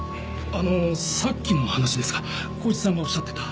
あのさっきの話ですが幸一さんがおっしゃってた。